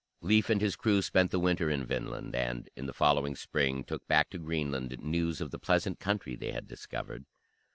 Leif and his crew spent the winter in Vinland, and in the following spring took back to Greenland news of the pleasant country they had discovered.